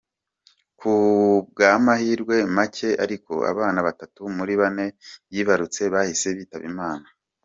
Kubw’amahirwe macye ariko abana batatu muri bane yibarutse bahise bitaba Imana.